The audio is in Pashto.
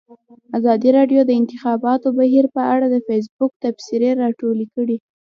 ازادي راډیو د د انتخاباتو بهیر په اړه د فیسبوک تبصرې راټولې کړي.